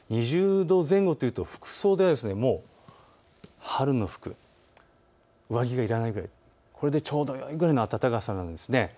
２０度前後というと服装ではもう春の服、上着がいらないくらい、これでちょうどよいくらいの暖かさなんです。